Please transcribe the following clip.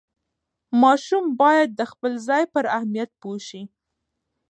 ماشوم باید د خپل ځای پر اهمیت پوه شي.